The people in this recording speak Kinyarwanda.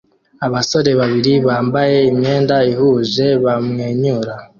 Abasore babiri bambaye imyenda ihuje bamwenyura